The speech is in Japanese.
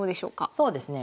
そうですね